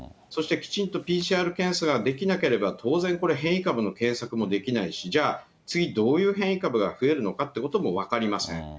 そしてきちんとＰＣＲ検査ができなければ当然、これ、変異株の検索もできないし、じゃあ、次どういう変異株が増えるのかということも分かりません。